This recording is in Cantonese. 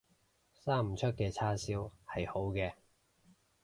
生唔出嘅叉燒係好嘅